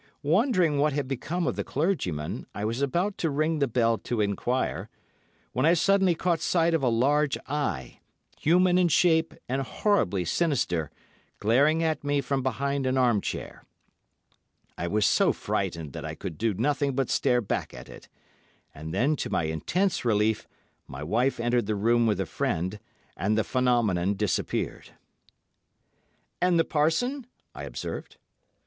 Wondering what had become of the clergyman, I was about to ring the bell to enquire, when I suddenly caught sight of a large eye, human in shape and horribly sinister, glaring at me from behind an arm chair. I was so frightened that I could do nothing but stare back at it, and then, to my intense relief, my wife entered the room with a friend, and the phenomenon disappeared." [Illustration: "I suddenly caught sight of a large eye"] "And the parson?" I observed.